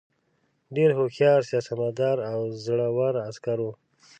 ډېر هوښیار سیاستمدار او زړه ور عسکر وو.